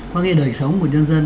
có nghĩa là đời sống của nhân dân